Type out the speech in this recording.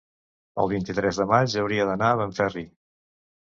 El vint-i-tres de maig hauria d'anar a Benferri.